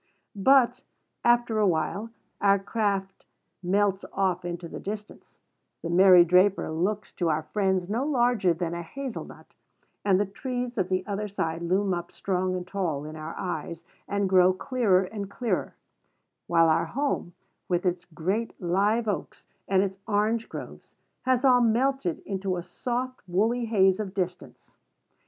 But, after a little, our craft melts off into the distance, "The Mary Draper" looks to our friends no larger than a hazel nut, and the trees of the other side loom up strong and tall in our eyes, and grow clearer and clearer; while our home, with its great live oaks and its orange groves, has all melted into a soft woolly haze of distance.